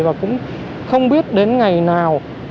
và cũng không biết đến ngày nào